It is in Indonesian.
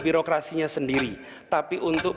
birokrasinya sendiri tapi untuk